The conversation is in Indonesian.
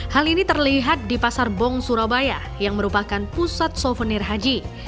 hal ini terlihat di pasar bong surabaya yang merupakan pusat souvenir haji